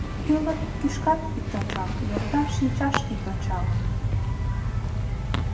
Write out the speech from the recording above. Ӱлык-кӱшкат ит ончал, йорга шинчаш ит ончал